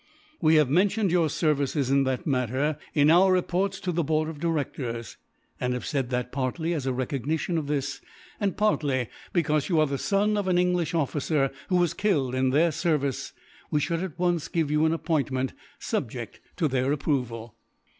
"We have mentioned your services, in that matter, in our reports to the Board of Directors; and have said that, partly as a recognition of this, and partly because you are the son of an English officer, who was killed in their service, we should at once give you an appointment, subject to their approval.